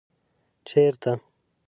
ـ چېرته ؟